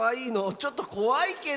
ちょっとこわいけど。